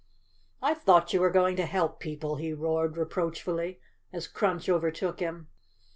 " I thought you were going to help people," he roared reproachfully, as Crunch overtook him.